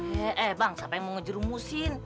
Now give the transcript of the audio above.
eh eh bang siapa yang mau ngejerumusin